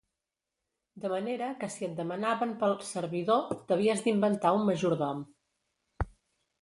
De manera que si et demanaven pel “servidor” t'havies d'inventar un majordom.